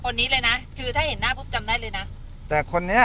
คนนี้เลยนะคือถ้าเห็นหน้าพบจำได้เลยนะ